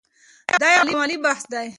دا یو علمي بحث دی.